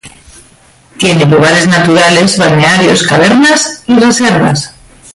Tiene lugares naturales, balnearios, cavernas y reservas.